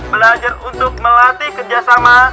belajar untuk melatih kerjasama